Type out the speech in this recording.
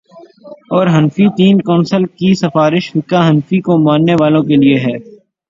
اورحنفی تین کونسل کی سفارش فقہ حنفی کے ماننے والوں کے لیے ہے۔